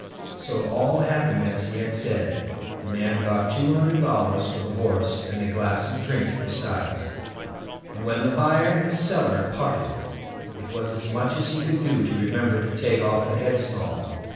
So all happened as he had said; the man got two hundred dollars for the horse and a glass of drink besides, and when the buyer and seller parted, it was as much as he could do to remember to take off the headstall.